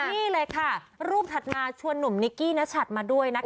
นี่เลยค่ะรูปถัดมาชวนหนุ่มนิกกี้นัชัดมาด้วยนะคะ